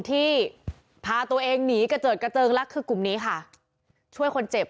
ที่พาตัวเองหนีกระเจิดกระเจิงลักคือกลุ่มนี้ค่ะช่วยคนเจ็บ